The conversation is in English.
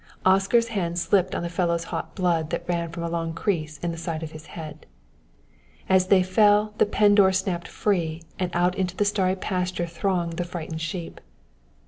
Oscar's hands slipped on the fellow's hot blood that ran from a long crease in the side of his head. As they fell the pen door snapped free, and out into the starry pasture thronged the frightened sheep.